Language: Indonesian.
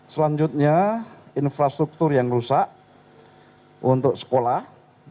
selanjutnya infrastruktur yang rusak untuk sekolah tiga ratus enam puluh delapan